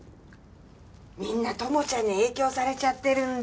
みんなともちゃんに影響されちゃってるんだ。